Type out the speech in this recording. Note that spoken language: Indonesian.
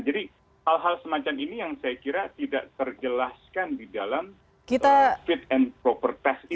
jadi hal hal semacam ini yang saya kira tidak terjelaskan di dalam fit and proper test itu